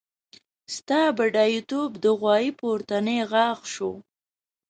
ستا بډاتوب د غوايي پورتنی غاښ شو.